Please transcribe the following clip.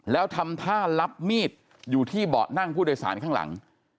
แล้วทำท่ารับมีดอยู่ที่เบาะนั่งผู้โดยสารข้างหลัง